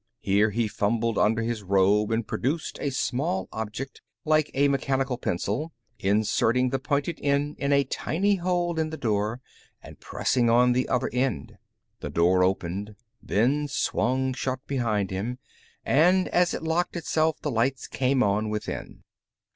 Here he fumbled under his robe and produced a small object like a mechanical pencil, inserting the pointed end in a tiny hole in the door and pressing on the other end. The door opened, then swung shut behind him, and as it locked itself, the lights came on within.